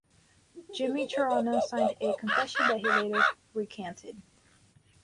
Jimmy Troiano signed a confession that he later recanted.